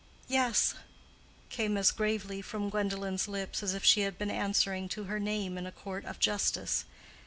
"Yes," came as gravely from Gwendolen's lips as if she had been answering to her name in a court of justice.